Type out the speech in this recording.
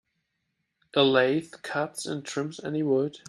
A lathe cuts and trims any wood.